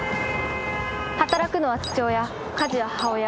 働くのは父親家事は母親。